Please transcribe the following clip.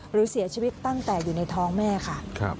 หรือเสียชีวิตตั้งแต่อยู่ในท้องแม่ค่ะ